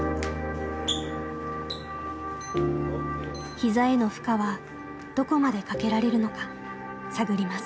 ひざへの負荷はどこまでかけられるのか探ります。